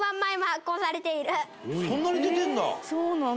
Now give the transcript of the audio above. そんなに出てるんだ。